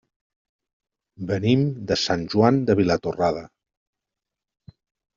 Venim de Sant Joan de Vilatorrada.